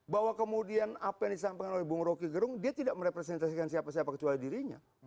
bahwa kemudian apa yang disampaikan oleh bung roky gerung dia tidak merepresentasikan siapa siapa kecuali dirinya